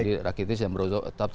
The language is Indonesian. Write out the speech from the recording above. jadi rakitic yang berusaha